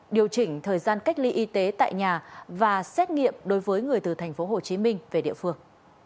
điều chỉnh thời gian cách ly y tế tại nhà và xét nghiệm đối với người từ tp hcm về địa phương